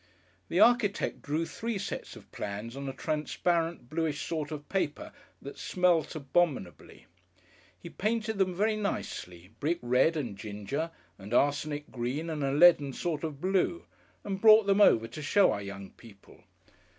The architect drew three sets of plans on a transparent bluish sort of paper that smelt abominably. He painted them very nicely; brick red and ginger, and arsenic green and a leaden sort of blue, and brought them over to show our young people.